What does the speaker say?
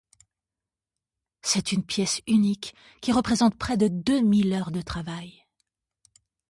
C'est une pièce unique qui représente près de deux mille heures de travail.